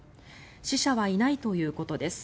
死者はいないということです。